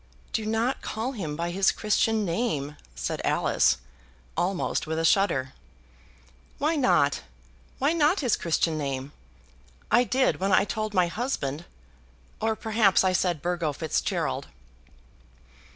"Do not call him by his Christian name," said Alice, almost with a shudder. "Why not? why not his Christian name? I did when I told my husband. Or perhaps I said Burgo Fitzgerald."